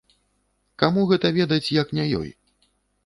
Каму гэта ведаць, як не ёй.